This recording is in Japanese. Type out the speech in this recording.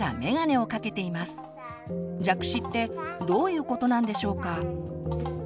「弱視」ってどういうことなんでしょうか。